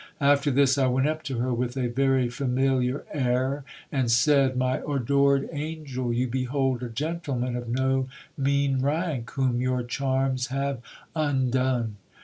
After this, I went up to her with a very familiar air, and said — My adored angel, you behold a gentleman of no mean rank, whom your charms have undone.